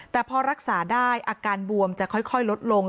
แต่พอรักษาได้อาการบวมจะค่อยลดลง